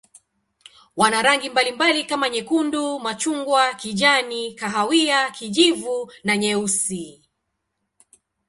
Wana rangi mbalimbali kama nyekundu, machungwa, kijani, kahawia, kijivu na nyeusi.